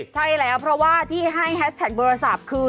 ใช่แล้วเพราะว่าที่ให้แฮชแท็กโทรศัพท์คือ